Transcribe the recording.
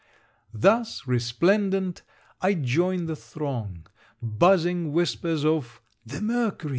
Thus resplendent I joined the throng. Buzzing whispers of _the Mercury!